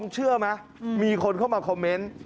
เชื่อไหมมีคนเข้ามาคอมเมนต์